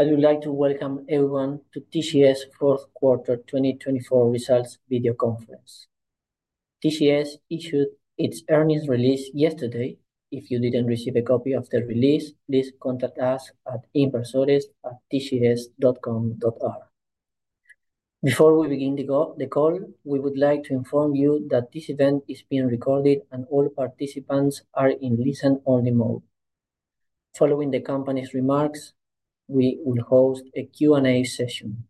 I would like to welcome everyone to TGS fourth quarter 2024 results video conference. TGS issued its earnings release yesterday. If you didn't receive a copy of the release, please contact us at inversores@tgs.com.ar. Before we begin the call, we would like to inform you that this event is being recorded and all participants are in listen-only mode. Following the company's remarks, we will host a Q&A session.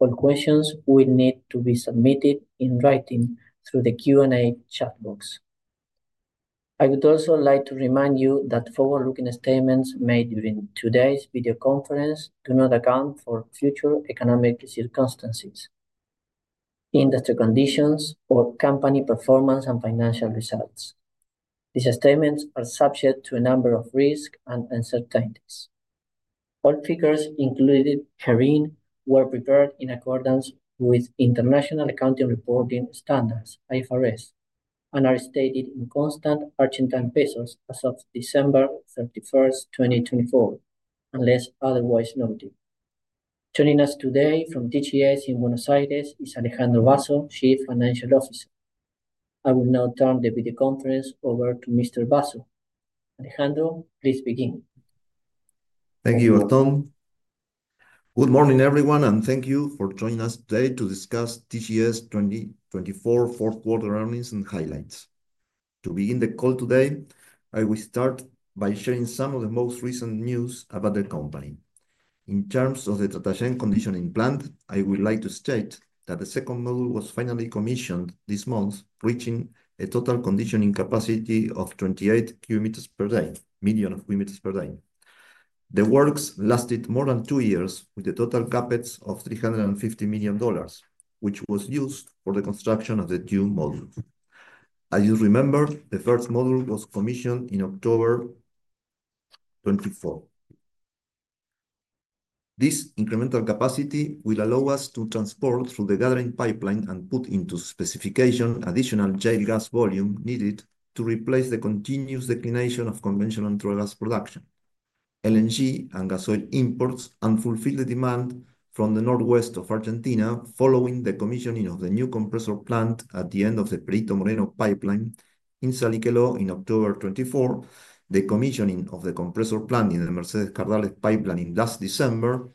All questions will need to be submitted in writing through the Q&A chat box. I would also like to remind you that forward-looking statements made during today's video conference do not account for future economic circumstances, industry conditions, or company performance and financial results. These statements are subject to a number of risks and uncertainties. All figures included herein were prepared in accordance with International Financial Reporting Standards, IFRS and are stated in constant Argentine pesos as of December 31st, 2024, unless otherwise noted. Joining us today from TGS in Buenos Aires is Alejandro Basso, Chief Financial Officer. I will now turn the video conference over to Mr. Basso. Alejandro, please begin. Thank you, Gastón. Good morning, everyone, and thank you for joining us today to discuss TGS 2024 fourth quarter earnings and highlights. To begin the call today, I will start by sharing some of the most recent news about the company. In terms of the Tratayén Conditioning Plant, I would like to state that the second module was finally commissioned this month, reaching a total conditioning capacity of 28 million cu m per day. The works lasted more than two years, with a total CapEx of $350 million, which was used for the construction of the two modules. As you remember, the first module was commissioned in October 2024. This incremental capacity will allow us to transport through the gathering pipeline and put into specification additional shale gas volume needed to replace the continuous decline of conventional natural gas production. LNG and gasoil imports unfulfilled the demand from the Northwest Argentina following the commissioning of the new compressor plant at the end of the Perito Moreno pipeline in Salliqueló in October 2024, the commissioning of the compressor plant in the Mercedes-Cardales pipeline in last December,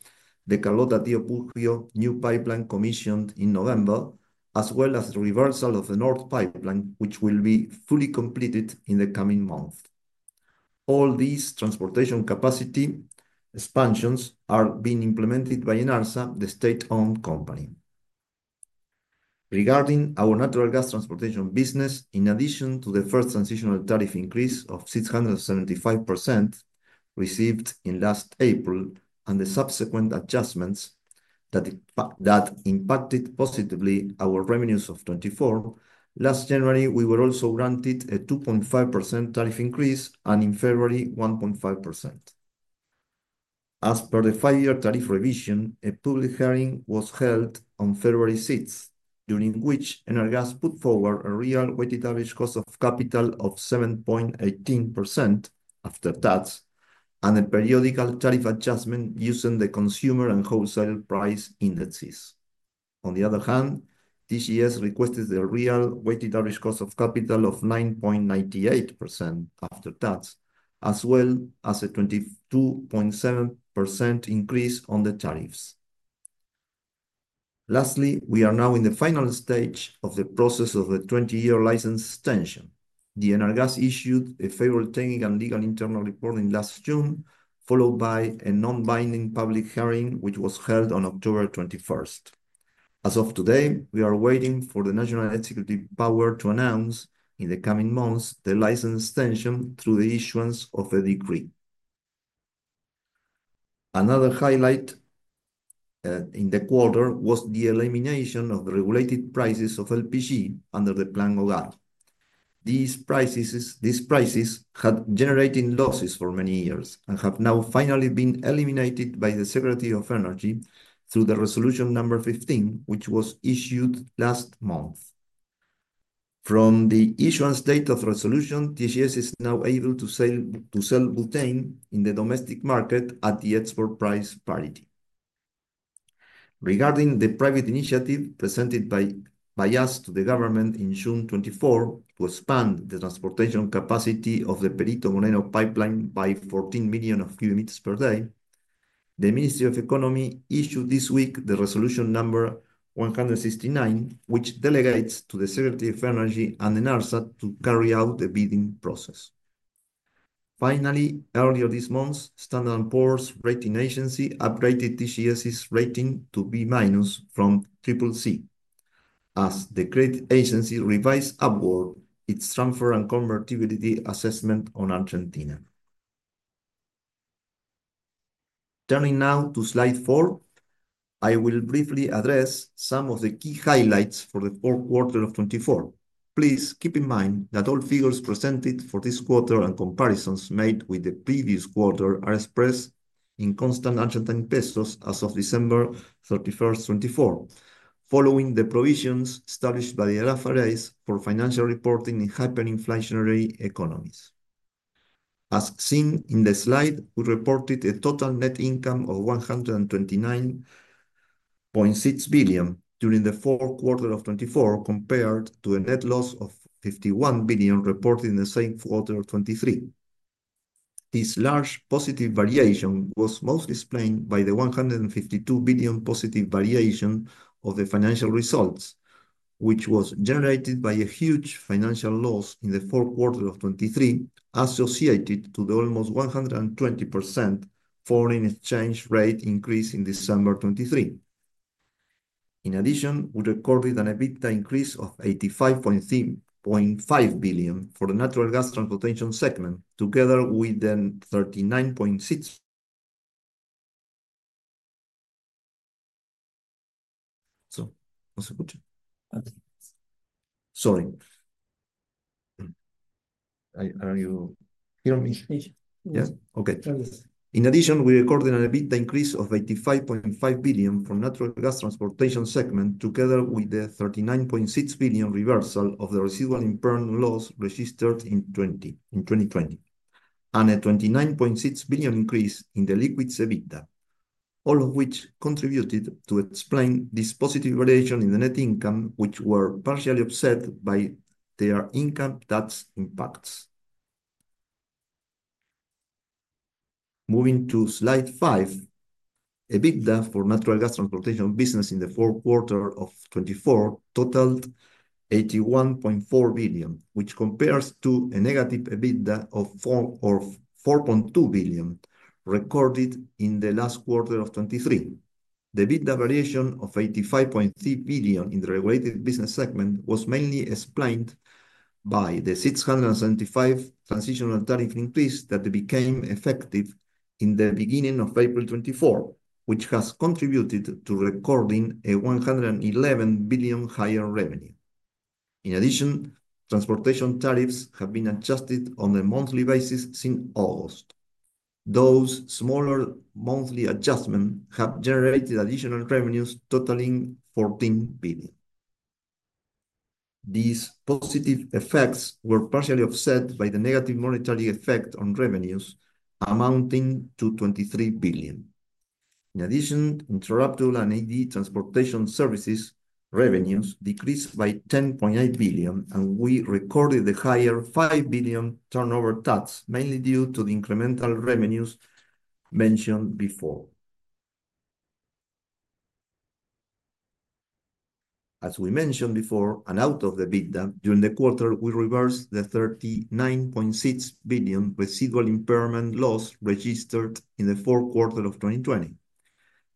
the La Carlota-Tío Pujio new pipeline commissioned in November, as well as the reversal of the Norte Pipeline, which will be fully completed in the coming month. All these transportation capacity expansions are being implemented by ENARSA, the state-owned company. Regarding our natural gas transportation business, in addition to the first transitional tariff increase of 675% received in last April and the subsequent adjustments that impacted positively our revenues of 2024, last January we were also granted a 2.5% tariff increase and in February 1.5%. As per the five-year tariff revision, a public hearing was held on February 6, during which ENARGAS put forward a real weighted average cost of capital of 7.18% after that, and a periodical tariff adjustment using the consumer and wholesale price indices. On the other hand, TGS requested a real weighted average cost of capital of 9.98% after that, as well as a 22.7% increase on the tariffs. Lastly, we are now in the final stage of the process of the 20-year license extension. ENARGAS issued a favorable technical and legal internal report in last June, followed by a non-binding public hearing which was held on October 21. As of today, we are waiting for the national executive power to announce in the coming months the license extension through the issuance of a decree. Another highlight in the quarter was the elimination of the regulated prices of LPG under the Plan Hogar. These prices had generated losses for many years and have now finally been eliminated by the Secretary of Energy through the Resolution Number 15, which was issued last month. From the issuance date of the resolution, TGS is now able to sell butane in the domestic market at the export price parity. Regarding the private initiative presented by us to the government in June 2024 to expand the transportation capacity of the Perito Moreno pipeline by 14 million cubic meters per day, the Ministry of Economy issued this week the Resolution Number 169, which delegates to the Secretary of Energy and ENARSA to carry out the bidding process. Finally, earlier this month, S&P Global Ratings upgraded TGS's rating to B- from CCC, as the credit agency revised upward its transfer and convertibility assessment on Argentina. Turning now to slide four, I will briefly address some of the key highlights for the fourth quarter of 2024. Please keep in mind that all figures presented for this quarter and comparisons made with the previous quarter are expressed in constant Argentine pesos as of December 31, 2024, following the provisions established by the IFRS for financial reporting in hyperinflationary economies. As seen in the slide, we reported a total net income of 129.6 billion during the fourth quarter of 2024, compared to a net loss of 51 billion reported in the same quarter of 2023. This large positive variation was mostly explained by the 152 billion positive variation of the financial results, which was generated by a huge financial loss in the fourth quarter of 2023 associated to the almost 120% foreign exchange rate increase in December 2023. In addition, we recorded an EBITDA increase of 85.5 billion for the natural gas transportation segment, together with the 39.6 billion. Sorry. Are you hearing me? Yes. Yes? Okay. In addition, we recorded an EBITDA increase of 85.5 billion for the natural gas transportation segment, together with the 39.6 billion reversal of the residual internal loss registered in 2020, and a 29.6 billion increase in the liquids EBITDA, all of which contributed to explain this positive variation in the net income, which were partially offset by their income tax impacts. Moving to slide five, EBITDA for natural gas transportation business in the fourth quarter of 2024 totaled 81.4 billion, which compares to a negative EBITDA of 4.2 billion recorded in the last quarter of 2023. The EBITDA variation of 85.3 billion in the regulated business segment was mainly explained by the 675 transitional tariff increase that became effective in the beginning of April 2024, which has contributed to recording a 111 billion higher revenue. In addition, transportation tariffs have been adjusted on a monthly basis since August. Those smaller monthly adjustments have generated additional revenues totaling 14 billion. These positive effects were partially offset by the negative monetary effect on revenues, amounting to 23 billion. In addition, interrupted and ED transportation services revenues decreased by 10.8 billion, and we recorded the higher 5 billion turnover tax, mainly due to the incremental revenues mentioned before. As we mentioned before, and out of the EBITDA, during the quarter, we reversed the 39.6 billion residual impairment loss registered in the fourth quarter of 2020.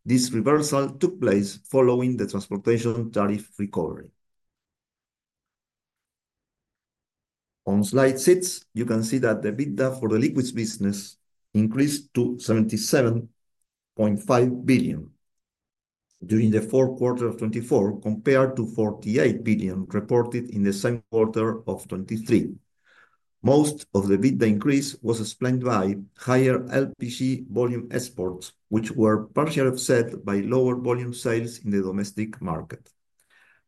This reversal took place following the transportation tariff recovery. On slide six, you can see that the EBITDA for the liquids business increased to 77.5 billion during the fourth quarter of 2024, compared to 48 billion reported in the same quarter of 2023. Most of the EBITDA increase was explained by higher LPG volume exports, which were partially offset by lower volume sales in the domestic market.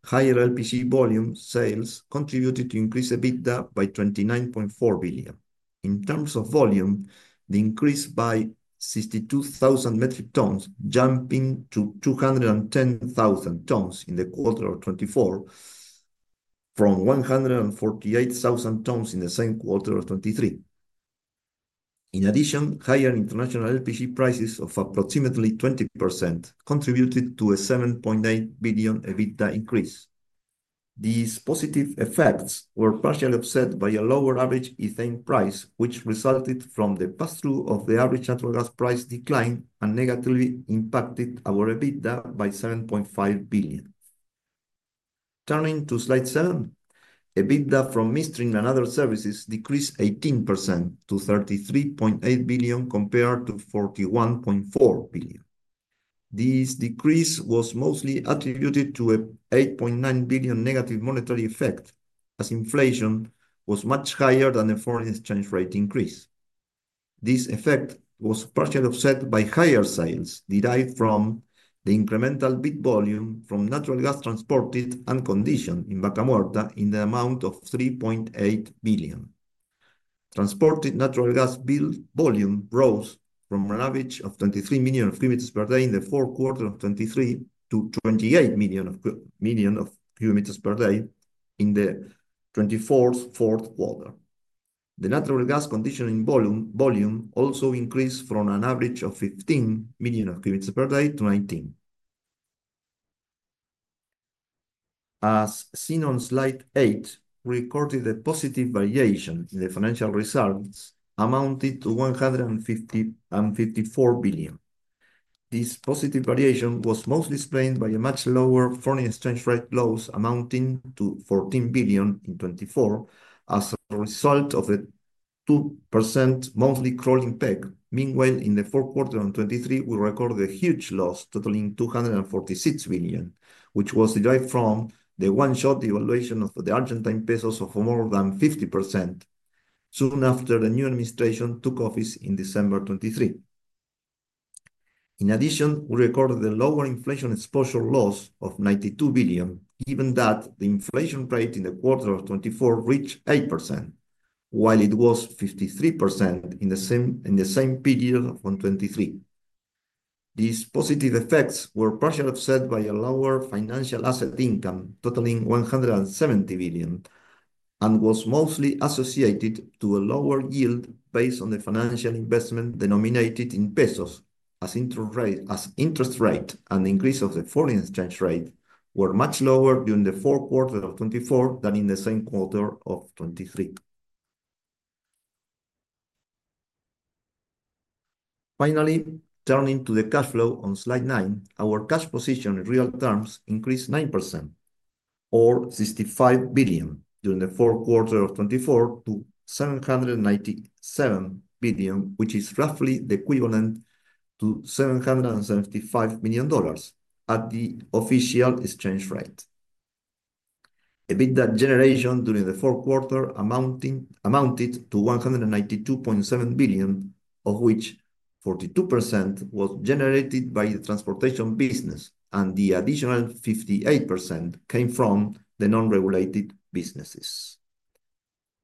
Higher LPG volume sales contributed to increase EBITDA by 29.4 billion. In terms of volume, the increase by 62,000 metric tons, jumping to 210,000 tons in the quarter of 2024, from 148,000 tons in the same quarter of 2023. In addition, higher international LPG prices of approximately 20% contributed to a 7.8 billion EBITDA increase. These positive effects were partially offset by a lower average ethane price, which resulted from the pass-through of the average natural gas price decline and negatively impacted our EBITDA by 7.5 billion. Turning to slide seven, EBITDA from midstream and other services decreased 18% to 33.8 billion compared to 41.4 billion. This decrease was mostly attributed to an 8.9 billion negative monetary effect, as inflation was much higher than the foreign exchange rate increase. This effect was partially offset by higher sales derived from the incremental billed volume from natural gas transported unconditioned in Vaca Muerta in the amount of 3.8 billion. Transported natural gas billed volume rose from an average of 23 million cu m per day in the fourth quarter of 2023 to 28 million cu m per day in the 2024 fourth quarter. The natural gas conditioning volume also increased from an average of 15 million cu m per day to 19 million cu m. As seen on slide eight, we recorded a positive variation in the financial results amounting to 154 billion. This positive variation was mostly explained by a much lower foreign exchange rate loss amounting to 14 billion in 2024, as a result of a 2% monthly crawling peg. Meanwhile, in the fourth quarter of 2023, we recorded a huge loss totaling 246 billion, which was derived from the one-shot devaluation of the Argentine pesos of more than 50% soon after the new administration took office in December 2023. In addition, we recorded a lower inflation exposure loss of 92 billion, given that the inflation rate in the quarter of 2024 reached 8%, while it was 53% in the same period of 2023. These positive effects were partially offset by a lower financial asset income totaling 170 billion and was mostly associated to a lower yield based on the financial investment denominated in pesos, as interest rate and increase of the foreign exchange rate were much lower during the fourth quarter of 2024 than in the same quarter of 2023. Finally, turning to the cash flow on slide nine, our cash position in real terms increased 9%, or 65 billion during the fourth quarter of 2024 to 797 billion, which is roughly the equivalent to $775 million at the official exchange rate. EBITDA generation during the fourth quarter amounted to 192.7 billion, of which 42% was generated by the transportation business and the additional 58% came from the non-regulated businesses.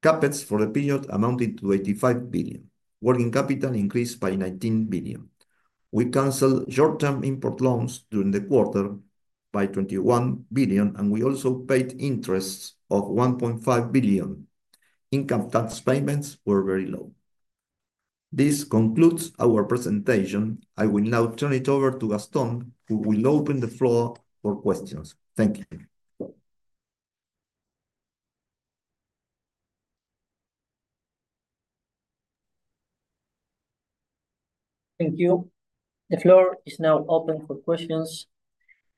CapEx for the period amounted to 85 billion. Working capital increased by 19 billion. We canceled short-term import loans during the quarter by 21 billion, and we also paid interest of 1.5 billion. Income tax payments were very low. This concludes our presentation. I will now turn it over to Gastón, who will open the floor for questions. Thank you. Thank you. The floor is now open for questions.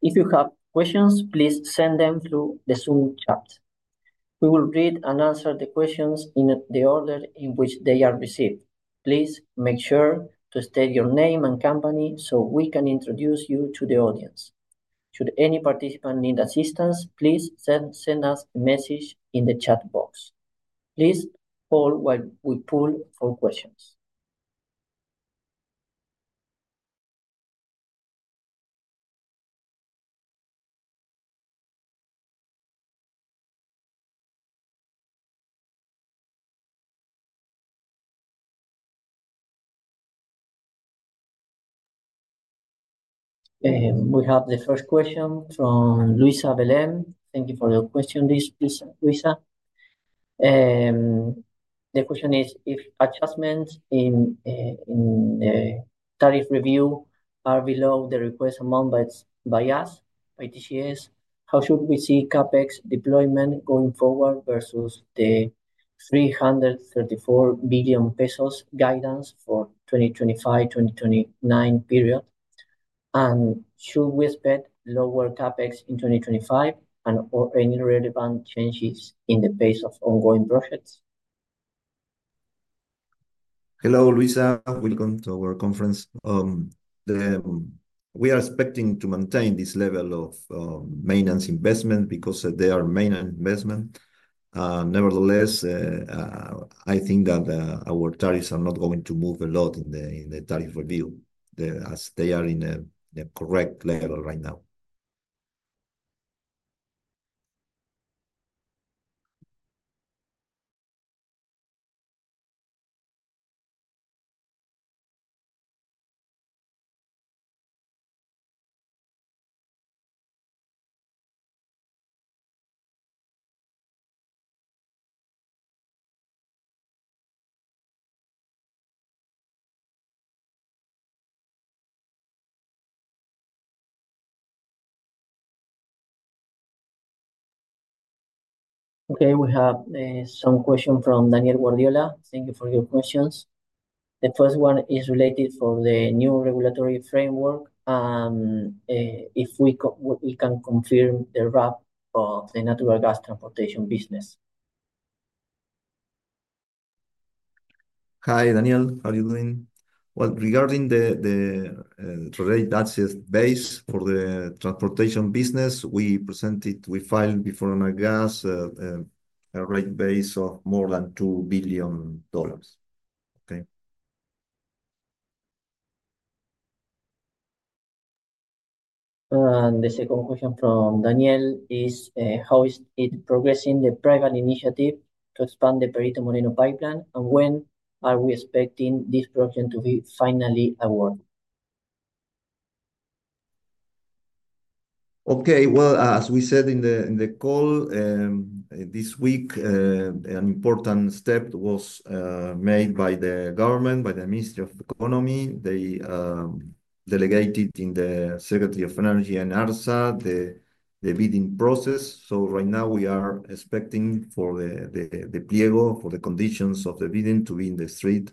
If you have questions, please send them through the Zoom chat. We will read and answer the questions in the order in which they are received. Please make sure to state your name and company so we can introduce you to the audience. Should any participant need assistance, please send us a message in the chat box. Please hold while we pull for questions. We have the first question from Luisa Belén. Thank you for your question, Luisa. The question is, if adjustments in the tariff review are below the request amount by us, by TGS, how should we see CapEx deployment going forward versus the 334 billion pesos guidance for the 2025-2029 period? And should we expect lower CapEx in 2025 and/or any relevant changes in the pace of ongoing projects? Hello, Luisa. Welcome to our conference. We are expecting to maintain this level of maintenance investment because they are maintenance investment. Nevertheless, I think that our tariffs are not going to move a lot in the tariff review, as they are in the correct level right now. Okay, we have some questions from Daniel Guardiola. Thank you for your questions. The first one is related to the new regulatory framework. If we can confirm the RAP of the natural gas transportation business. Hi, Daniel. How are you doing? Regarding the rate that's based for the transportation business, we presented, we filed before ENARGAS a rate base of more than $2 billion. Okay. The second question from Daniel is, how is it progressing the private initiative to expand the Presidente Néstor Kirchner Gas Pipeline, and when are we expecting this project to be finally awarded? Okay, well, as we said in the call this week, an important step was made by the government, by the Ministry of Economy. They delegated in the Secretary of Energy and ENARSA the bidding process. So right now, we are expecting for the pliego, for the conditions of the bidding to be in the street.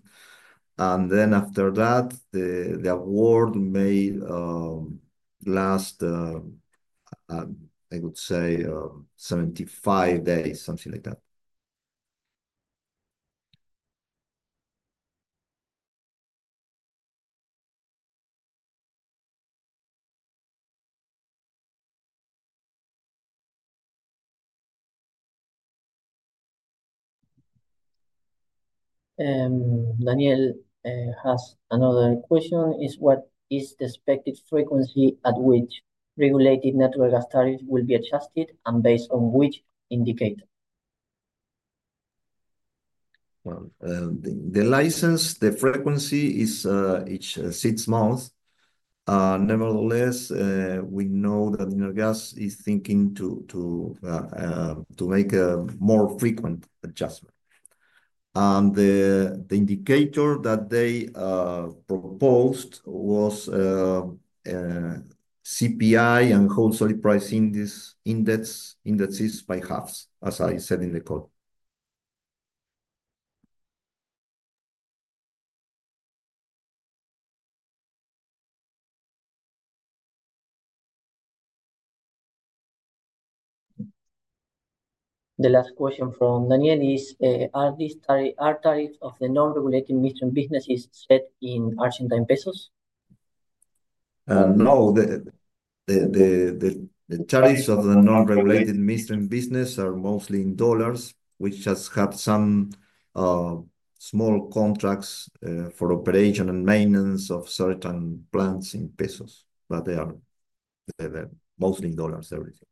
And then after that, the award may last, I would say, 75 days, something like that. Daniel has another question. What is the expected frequency at which regulated natural gas tariffs will be adjusted, and based on which indicator? The license, the frequency is each six months. Nevertheless, we know that ENARGAS is thinking to make a more frequent adjustment, and the indicator that they proposed was CPI and wholesale price indexes by half, as I said in the call. The last question from Daniel is, are the tariffs of the non-regulated midstream businesses set in Argentine pesos? No, the tariffs of the non-regulated midstream business are mostly in dollars, which has had some small contracts for operation and maintenance of certain plants in pesos, but they are mostly in dollars everything.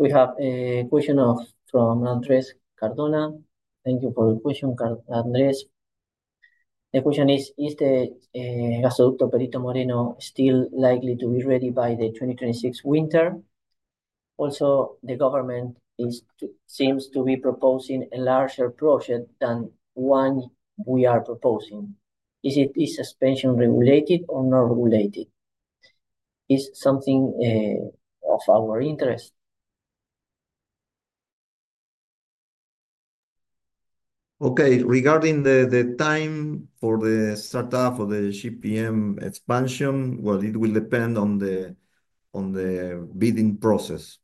We have a question from Andrés Cardona. Thank you for the question, Andrés. The question is, is the Gasoducto of Perito Moreno still likely to be ready by the 2026 winter? Also, the government seems to be proposing a larger project than one we are proposing. Is this suspension regulated or not regulated? Is it something of our interest? Okay, regarding the time for the startup of the GPM expansion, well, it will depend on the bidding process.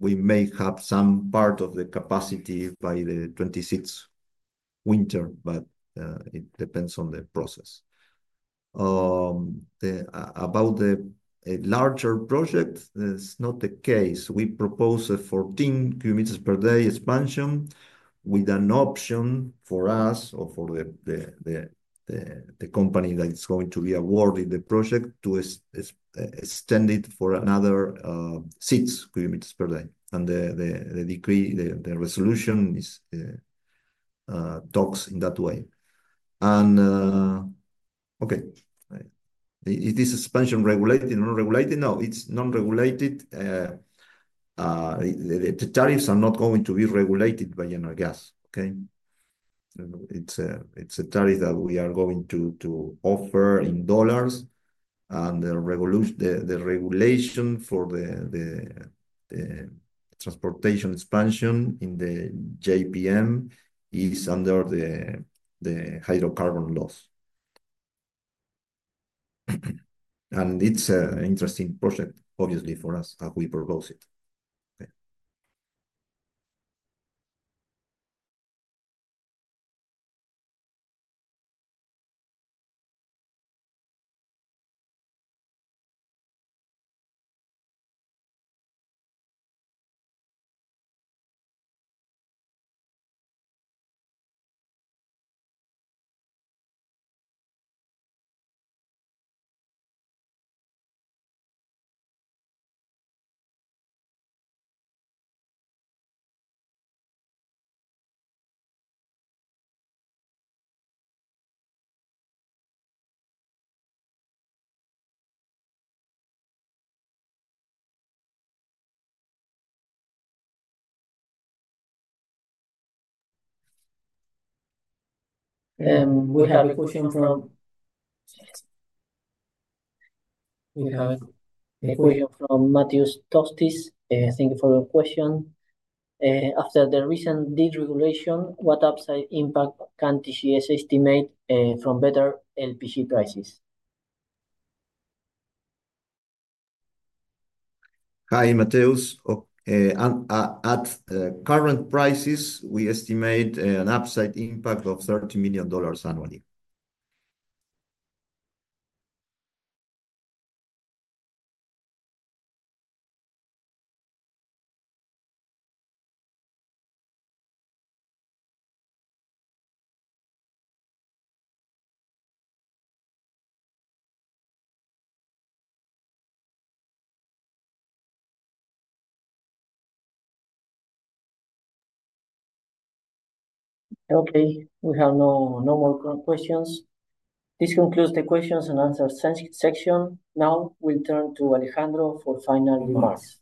We may have some part of the capacity by the 2026 winter, but it depends on the process. About the larger project, it's not the case. We propose a 14 million cu m per day expansion with an option for us or for the company that is going to be awarded the project to extend it for another 6 million cubic meters per day. The decree, the resolution talks in that way. Okay, is this expansion regulated or not regulated? No, it's non-regulated. The tariffs are not going to be regulated by ENARGAS, okay? It's a tariff that we are going to offer in dollars. The regulation for the transportation expansion in the JPM is under the hydrocarbon laws. It's an interesting project, obviously, for us, as we propose it. We have a question from Matheus Tostes. Thank you for your question. After the recent decree regulation, what upside impact can TGS estimate from better LPG prices? Hi, Matheus. At current prices, we estimate an upside impact of $30 million annually. Okay, we have no more questions. This concludes the questions and answers section. Now we'll turn to Alejandro for final remarks.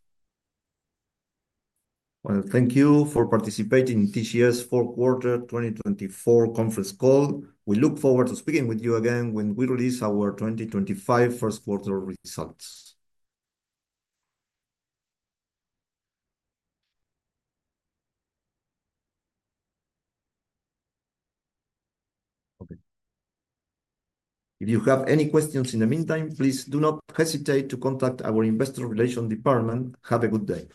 Thank you for participating in TGS fourth quarter 2024 conference call. We look forward to speaking with you again when we release our 2025 first quarter results. If you have any questions in the meantime, please do not hesitate to contact our investor relations department. Have a good day.